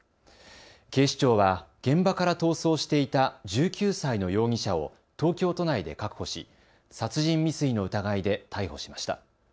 警視庁は現場から逃走していた１９歳の容疑者を東京都内で確保し、殺人未遂の疑いで逮捕しました。